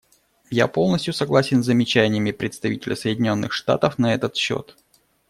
Я полностью согласен с замечаниями представителя Соединенных Штатов на этот счет.